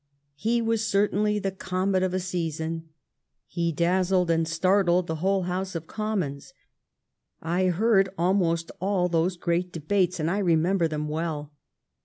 He was certainly the comet of a season ; he dazzled and startled the whole House of Com mons. I heard almost all those great debates, and I remember them well.